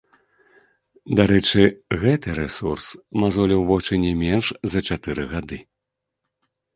Дарэчы, гэты рэсурс мазоліў вочы не менш за чатыры гады.